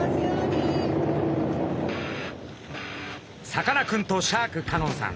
さかなクンとシャーク香音さん